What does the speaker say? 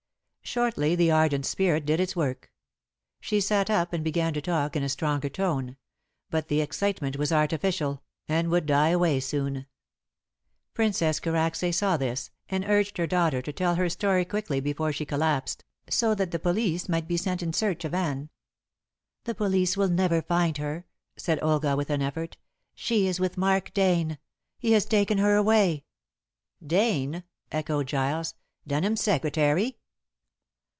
Shortly the ardent spirit did its work. She sat up and began to talk in a stronger tone; but the excitement was artificial, and would die away soon. Princess Karacsay saw this, and urged her daughter to tell her story quickly before she collapsed, so that the police might be sent in search of Anne. "The police will never find her," said Olga, with an effort. "She is with Mark Dane. He has taken her away." "Dane?" echoed Giles. "Denham's secretary?"